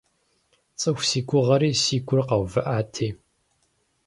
ЦӀыху си гугъэри си гур къэувыӀати!